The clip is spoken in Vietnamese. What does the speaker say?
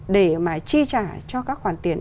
để mà chi trả cho các khoản tiền